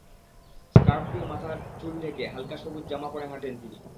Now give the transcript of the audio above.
Scarf দিয়ে মাথায় চুল ঢেকে হালকা সবুজ জামা পরে হাঁটেন তিনি।